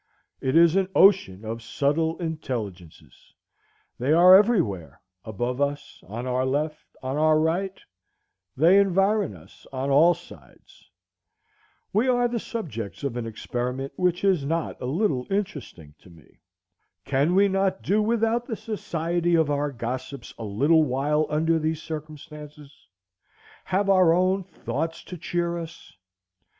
It is an ocean of subtile intelligences. They are every where, above us, on our left, on our right; they environ us on all sides." We are the subjects of an experiment which is not a little interesting to me. Can we not do without the society of our gossips a little while under these circumstances,—have our own thoughts to cheer us?